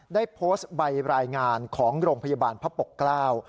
ได้โพสต์ใบรายงานของโรงพยาบาลพระปกเกล้า